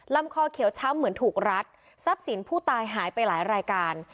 ลำคอเขียวช้ำเหมือนถูกรัดทรัพย์สินผู้ตายหายไปหลายรายการ